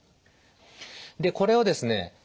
でこれをですね